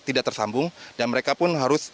tidak tersambung dan mereka pun harus